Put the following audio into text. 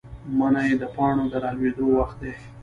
منی د پاڼو د رالوېدو وخت دی.